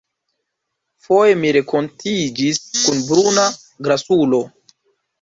Foje mi renkontiĝis kun bruna grasulo.